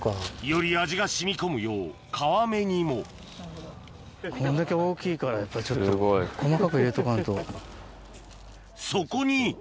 より味が染み込むよう皮目にもこんだけ大きいからやっぱりちょっと細かく入れとかんと。